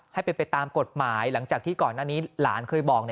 ให้เป็นไปตามกฎหมายหลังจากที่ก่อนหน้านี้หลานเคยบอก